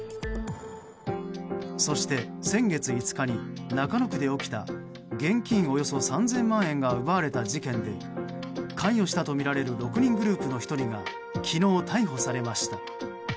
そして先月５日に中野区で起きた現金およそ３０００万円が奪われた事件で関与したとみられる６人グループの１人が昨日、逮捕されました。